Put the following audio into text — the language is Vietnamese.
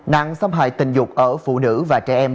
nạn xâm hại tình dục ở phụ nữ và trẻ em